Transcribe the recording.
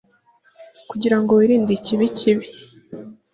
Kugirango wirinde ikibi kibi